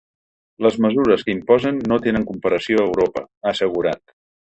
Les mesures que imposem no tenen comparació a Europa, ha assegurat.